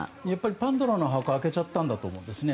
パンドラの箱を開けちゃったんだと思うんですね。